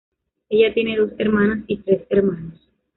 Ella tiene dos hermanas y tres hermanos.